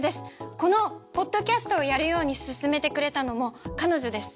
このポッドキャストをやるように勧めてくれたのも彼女です。